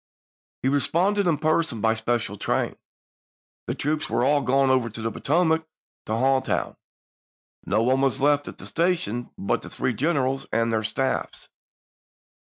He responded in person by special train; the troops were all gone over the Potomac to Hall town ; no one was left at the station but the three Grant, generals and their staffs.